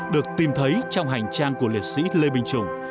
được tìm thấy trong hành trang của liệt sĩ lê binh chủng